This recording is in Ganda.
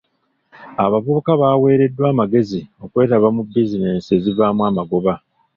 Abavubuka baweereddwa amagezi okwetaba mu bizinensi ezivaamu amagoba.